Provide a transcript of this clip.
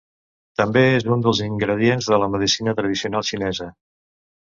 També és un dels ingredients de la medicina tradicional xinesa.